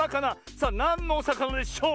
さあなんのおさかなでしょう